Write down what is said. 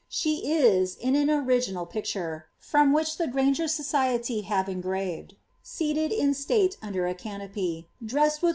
She is, in an original picture, from which the Gra*i^r Sotakj have enmved, seated in state under a canopy, dresned with